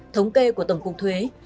thống kê của tổng cục thuế